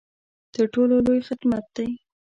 تر ټولو لوی خدمت دی.